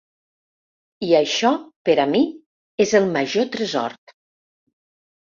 I això per a mi és el major tresor.